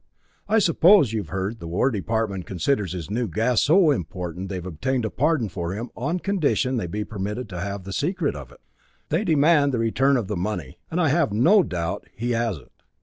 I suppose you've heard, the War Department considers his new gas so important that they've obtained a pardon for him on condition they be permitted to have the secret of it. They demand the return of the money, and I have no doubt he has it.